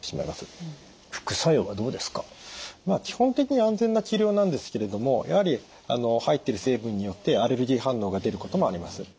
基本的に安全な治療なんですけれどもやはり入っている成分によってアレルギー反応が出ることもあります。